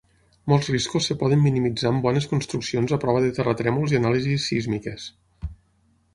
Molts riscos es poden minimitzar amb bones construccions a prova de terratrèmols i anàlisis sísmiques.